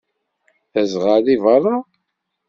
D aẓɣal deg beṛṛa?